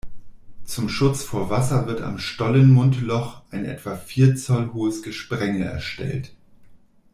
Zum Schutz vor Wasser wird am Stollenmundloch ein etwa vier Zoll hohes Gesprenge erstellt.